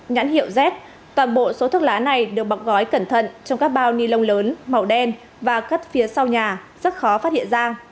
nhãn hiệu z toàn bộ số thuốc lá này được bọc gói cẩn thận trong các bao ni lông lớn màu đen và cất phía sau nhà rất khó phát hiện ra